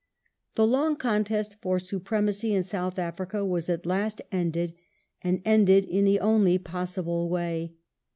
"^ The long contest for supremacy in South Africa was at last The ended, and ended in the only possible way.